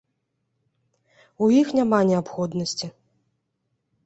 У іх няма неабходнасці.